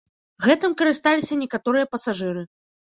Гэтым карысталіся некаторыя пасажыры.